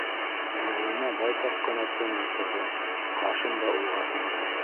Мәҙинә байтаҡ ҡына тын ултырҙы, Хашим да уйға сумды.